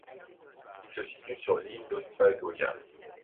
Il se situe sur l'île d'Austvågøya.